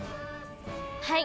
はい。